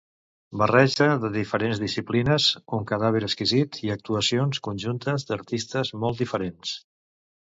Barreja de diferents disciplines, un “cadàver exquisit” i actuacions conjuntes d'artistes molt diferents.